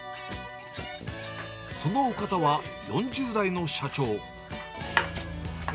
そのお方は４０代の社長。